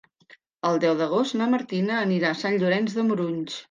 El deu d'agost na Martina anirà a Sant Llorenç de Morunys.